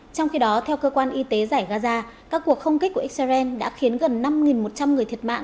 trong khi đó theo cơ quan y tế giải gaza các cuộc không kích của israel đã khiến gần năm một trăm linh người thiệt mạng